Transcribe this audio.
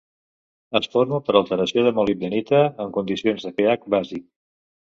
Es forma per alteració de molibdenita en condicions de pH bàsic.